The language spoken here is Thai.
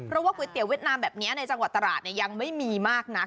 เพราะว่าก๋วยเตี๋ยเวียดนามแบบนี้ในจังหวัดตราดยังไม่มีมากนัก